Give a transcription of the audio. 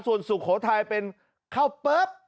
ส่วนสุโขทัยเป็นเข้าปุ๊บ